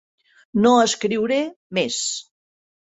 No escriuré més!